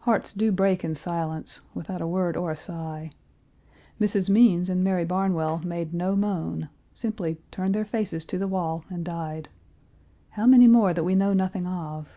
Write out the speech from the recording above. Hearts do break in silence, without a word or a sigh. Mrs. Means and Mary Barnwell made no moan simply turned their faces to the wall and died. How many more that we know nothing of!